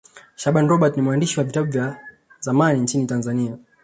shaaban robert ni mwandishi wa vitabu wa zamani nchini tanzania